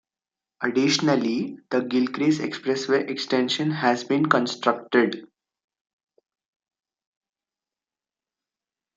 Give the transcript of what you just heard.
Additionally, the Gilcrease Expressway Extension has been constructed.